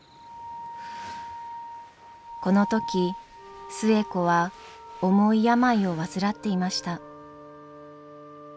この時寿恵子は重い病を患っていました。